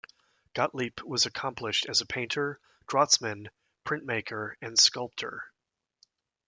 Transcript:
Gottlieb was accomplished as a painter, draughtsman, printmaker and sculptor.